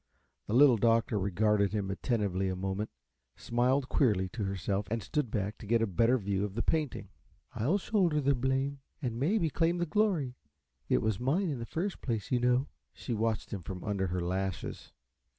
The Little Doctor regarded him attentively a moment, smiled queerly to herself and stood back to get a better view of the painting. "I'll shoulder the blame and maybe claim the glory. It was mine in the first place, you know." She watched him from under her lashes.